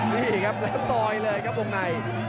นี่ครับแล้วตอยเลยครับองค์ไหน